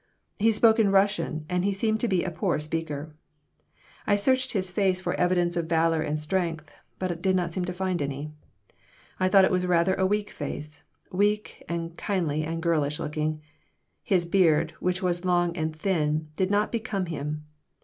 He spoke in Russian and he seemed to be a poor speaker. I searched his face for evidence of valor and strength, but did not seem to find any. I thought it was rather a weak face weak and kindly and girlish looking. His beard, which was long and thin, did not become him.